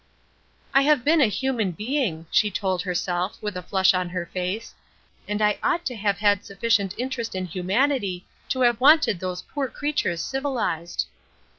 "I have been a human being," she told herself, with a flush on her face, "and I ought to have had sufficient interest in humanity to have wanted those poor creatures civilized."